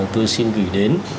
tôi xin gửi đến